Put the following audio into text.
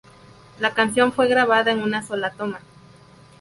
La canción fue grabada en una sola toma.